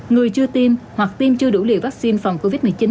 người chưa tiêm hoặc tiêm chưa đủ liều vaccine phòng covid một mươi chín